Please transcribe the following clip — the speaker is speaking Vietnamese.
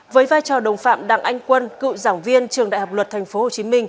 với vai trò đồng phạm đặng anh quân cựu giảng viên trường đại học luật tp hcm